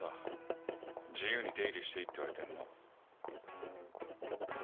自由に出入りしていいって言われてんの。